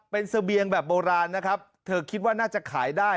เป็นเสบียงแบบโบราณนะครับเธอคิดว่าน่าจะขายได้